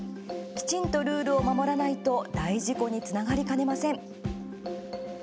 きちんとルールを守らないと大事故につながりかねません。